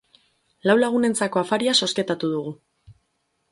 Lau lagunentzako afaria zozketu dugu.